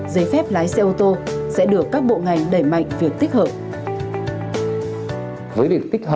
giấy phép lái xe ô tô sẽ được các bộ ngành đẩy mạnh việc tích hợp